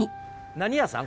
何屋さん？